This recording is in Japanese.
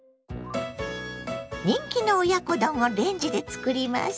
人気の親子丼をレンジで作ります。